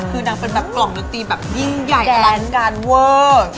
คือนางเป็นแบบกล่องดนตรีแบบยิ่งใหญ่อลังการเวอร์